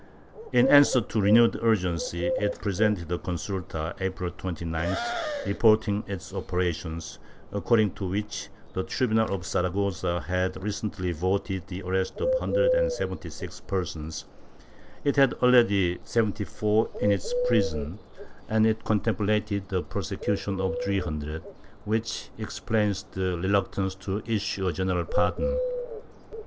In answer to renewed urgency, it presented a consulta, April 29th, reporting its operations, according to which the tribunal of Sara gossa had recently voted the arrest of a hundred and seventy six persons; it had already seventy four in its prisons, and it con templated the prosecution of three hundred — which explains the reluctance to issue a general pardon.